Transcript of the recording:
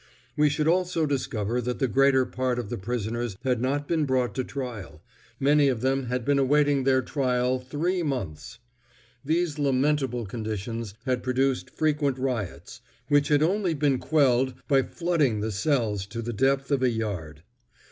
We should also discover that the greater part of the prisoners had not been brought to trial—many of them had been awaiting their trial three months. These lamentable conditions had produced frequent riots, which had only been quelled by flooding the cells to the depth of a yard.